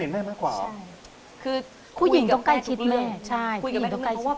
สนิทแน่มากกว่าหรอคุณผู้หญิงต้องใกล้คิดแม่คุณผู้หญิงต้องใกล้คิดแม่